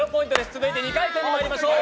続いて２問目まいりましょう。